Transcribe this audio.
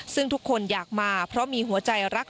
ซึ่งทุกคนอยากมาเพราะมีหัวใจรัก